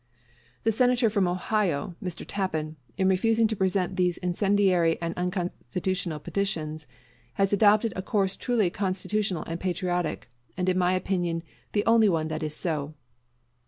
The Senator from Ohio [Mr. Tappan], in refusing to present these incendiary and unconstitutional petitions, has adopted a course truly constitutional and patriotic, and in my opinion, the only one that is so.